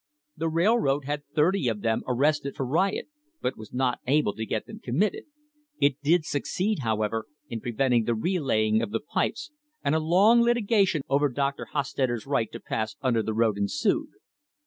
The railroad had thirty of them arrested for riot, but was not able to get them committed; it did succeed, however, in pre venting the relaying of the pipes and a long litigation over Dr. Hostetter's right to pass under the road ensued.